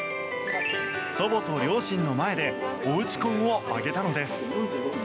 祖母と両親の前でおうち婚を挙げたのです。